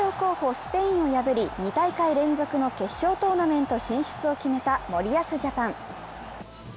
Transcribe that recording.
スペインを破り、２大会連続の決勝トーナメント進出を決めた森保ジャパン。